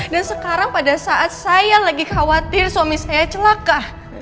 dan sekarang pada saat saya lagi khawatir suami saya celaka